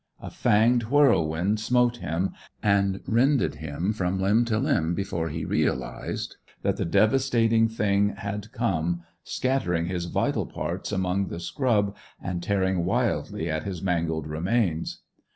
A fanged whirlwind smote him, and rended him limb from limb before he realized that the devastating thing had come, scattering his vital parts among the scrub and tearing wildly at his mangled remains.